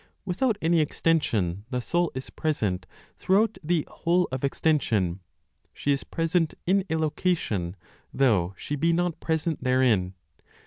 Without any extension, the soul is present throughout the whole of extension; she is present in a location, though she be not present therein.